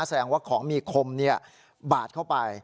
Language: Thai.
แสดงว่าของมีคมบาดเข้าไป